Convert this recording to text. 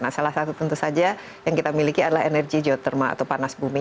nah salah satu tentu saja yang kita miliki adalah energi geothermal atau panas bumi